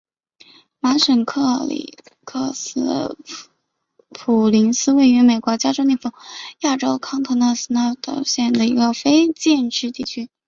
马什克里克斯普林斯是位于美国加利福尼亚州康特拉科斯塔县的一个非建制地区。